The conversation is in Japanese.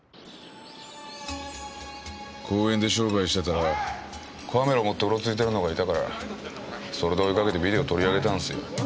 公園で商売してたらカメラ持ってうろついてるのがいたからそれで追いかけてビデオ取り上げたんすよ。